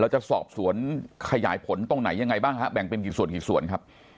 จะสอบสวนขยายผลตรงไหนยังไงบ้างฮะแบ่งเป็นกี่ส่วนกี่ส่วนครับ